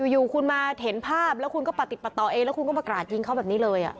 อยู่คุณมาเห็นภาพแล้วคุณก็ประติดประต่อเองแล้วคุณก็มากราดยิงเขาแบบนี้เลย